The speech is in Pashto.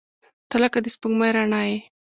• ته لکه د سپوږمۍ رڼا یې.